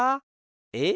えっ？